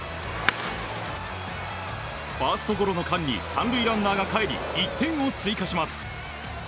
ファーストゴロの間に３塁ランナーがかえり１点を追加します。